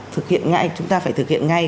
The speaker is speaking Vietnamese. thực hiện ngay chúng ta phải thực hiện ngay